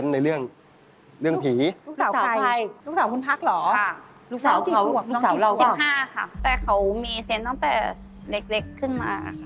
หนูมีเซ็นต์ตั้งแต่เล็กขึ้นมาค่ะ